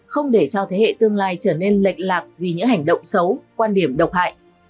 không để cho thế hệ tương lai trở nên lệch lạc vì những hành động xấu quan điểm độc hại